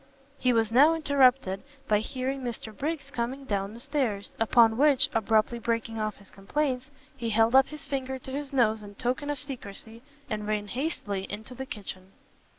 He was now interrupted by hearing Mr Briggs coming down the stairs, upon which, abruptly breaking off his complaints, he held up his finger to his nose in token of secrecy, and ran hastily into the kitchen.